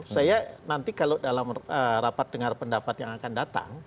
saya nanti kalau dalam rapat dengar pendapat yang akan datang